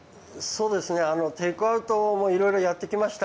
テイクアウトもいろいろやってきました。